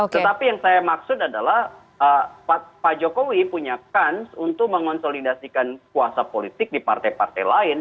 tetapi yang saya maksud adalah pak jokowi punya kans untuk mengonsolidasikan kuasa politik di partai partai lain